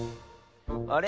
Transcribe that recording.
あれ？